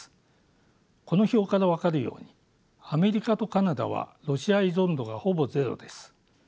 この表から分かるようにアメリカとカナダはロシア依存度がほぼゼロです。